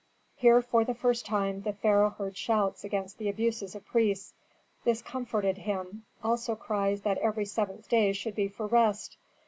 Here for the first time the pharaoh heard shouts against the abuses of priests. This comforted him; also cries that every seventh day should be for rest.